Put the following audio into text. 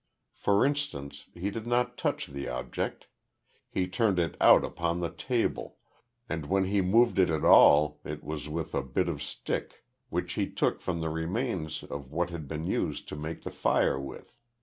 For instance, he did not touch the object, he turned it out upon the table, and when he moved it at all it was with a bit of stick which he took from the remains of what had been used to make the fire with.